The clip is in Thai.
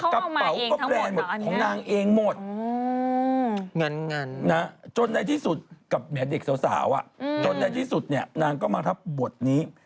กระเป๋าก็แปลหมดของนางเองหมดเงินจนในที่สุดกับแหมเด็กสาวจนในที่สุดเนี่ยนางก็มารับบทนี้